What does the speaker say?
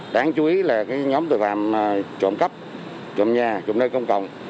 đáng chú ý là nhóm tội phạm trộm cắp trộm nhà cùng nơi công cộng